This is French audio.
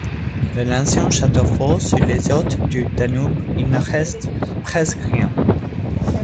De l´ancien château-fort sur les hauts du Danube, il ne reste presque rien.